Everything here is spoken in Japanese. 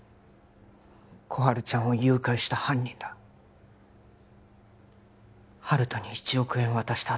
心春ちゃんを誘拐した犯人だ温人に１億円渡した